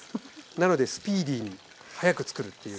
なのでスピーディーに早くつくるっていう。